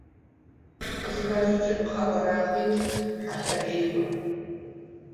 Къызыхащӏыкӏыр пхъэ къуэрагъитӏт, мыхьэлъэ ӏейуэ.